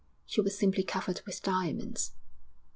'She was simply covered with diamonds.'